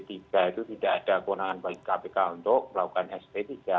itu tidak ada kewenangan bagi kpk untuk melakukan sp tiga